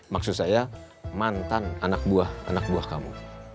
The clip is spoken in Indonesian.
maksud saya mantan anak buah anak buah kamu